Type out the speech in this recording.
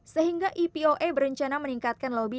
sehingga epoa berencana meningkatkan lobby